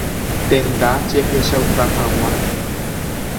Tenda jehechauka hag̃ua.